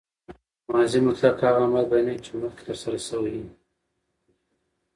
ماضي مطلق هغه عمل بیانوي، چي مخکښي ترسره سوی يي.